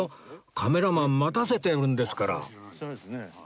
カメラマン待たせてるんですから